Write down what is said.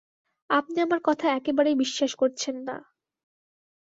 আপনি আমার কথা একেবারেই বিশ্বাস করছেন না?